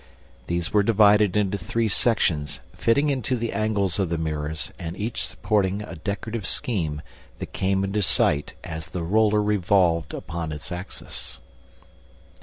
These were divided into three sections, fitting into the angles of the mirrors and each supporting a decorative scheme that came into sight as the roller revolved upon its axis.